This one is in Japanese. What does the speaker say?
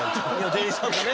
店員さんとね。